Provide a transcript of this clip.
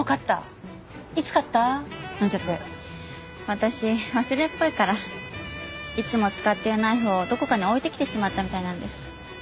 私忘れっぽいからいつも使ってるナイフをどこかに置いてきてしまったみたいなんです。